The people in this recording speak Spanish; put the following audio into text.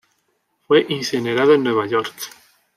Fue incinerado en Nueva York.